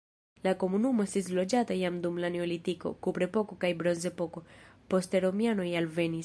La komunumo estis loĝata jam dum la neolitiko, kuprepoko kaj bronzepoko, poste romianoj alvenis.